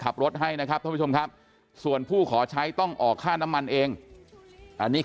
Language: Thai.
ขับรถให้นะครับท่านผู้ชมครับส่วนผู้ขอใช้ต้องออกค่าน้ำมันเองอันนี้